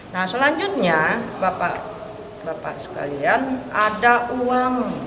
nah selanjutnya bapak sekalian ada uang